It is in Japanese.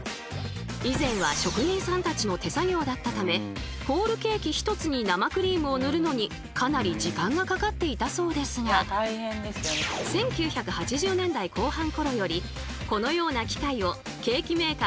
以前は職人さんたちの手作業だったためホールケーキ１つに生クリームを塗るのにかなり時間がかかっていたそうですがということで突然ですがここでカネオクイズ！